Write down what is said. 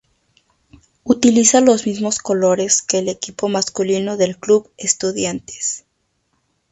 Utiliza los mismos colores que el equipo masculino del club Estudiantes.